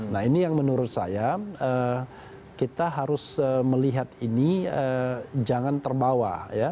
nah ini yang menurut saya kita harus melihat ini jangan terbawa ya